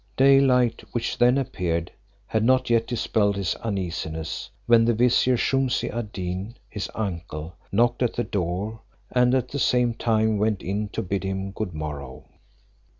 Day light, which then appeared, had not yet dispelled his uneasiness, when the vizier Shumse ad Deen, his uncle, knocked at the door, and at the same time went in to bid him good morrow.